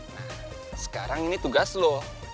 nah sekarang ini tugas loh